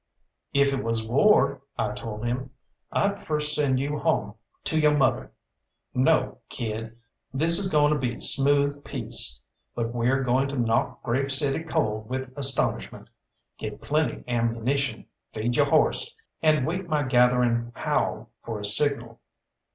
"If it was war," I told him, "I'd first send you home to yo' mother. No, kid, this is going to be smooth peace, but we're going to knock Grave City cold with astonishment. Get plenty ammunition, feed yo' horse, and wait my gathering howl for a signal."